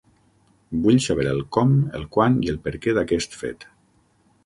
Vull saber el com, el quan i el perquè d'aquest fet.